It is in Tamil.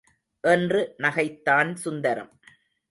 என்று நகைத்தான் சுந்தரம்.